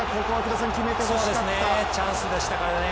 チャンスでしたからね。